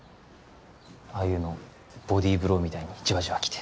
ああいうのボディーブローみたいにじわじわきて